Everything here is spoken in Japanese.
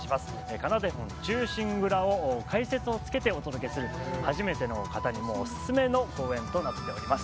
「仮名手本忠臣蔵」を解説をつけてお届けする初めての方にもおすすめの公演となっております